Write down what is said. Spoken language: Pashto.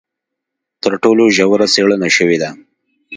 تر ټولو ژوره څېړنه شوې ده.